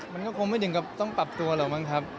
มันก็คงไม่ถึงกับต้องปรับตัวหรอกมั้งครับ